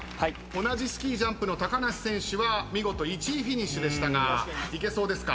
同じスキージャンプの高梨選手は見事１位フィニッシュでしたがいけそうですか？